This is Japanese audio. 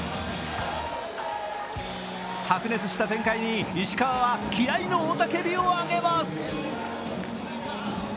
白熱した展開に石川は気合いの雄たけびを上げます。